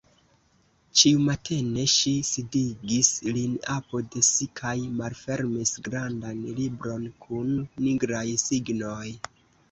Ĉiumatene ŝi sidigis lin apud si kaj malfermis grandan libron kun nigraj signoj.